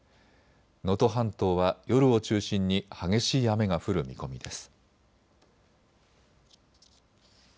能登半島は夜を中心に激しい雨が降る見込みです。